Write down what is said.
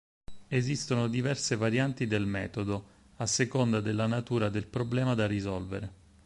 Esistono diverse varianti del metodo, a seconda della natura del problema da risolvere.